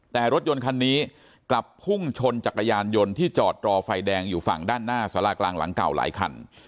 แต่รถยนต์คันนี้กลับพุ่งชนจักรยานยนต์ที่จอดรอไฟแดงอยู่ฝั่งด้านหน้าสารากลางหลังเก่าหลายคัน